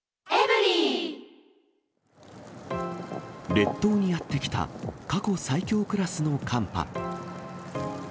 列島にやって来た過去最強クラスの寒波。